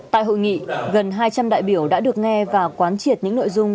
tại hội nghị gần hai trăm linh đại biểu đã được nghe và quán triệt những nội dung